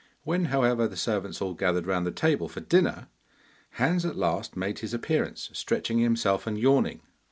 When, however, the servants all gathered round the table for dinner, Hans at last made his appearance stretching himself and yawning.